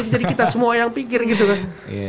jadi kita semua yang pikir gitu kan